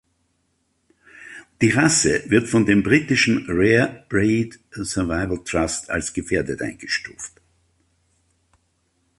Die Rasse wird von dem britischen Rare Breeds Survival Trust als gefährdet eingestuft.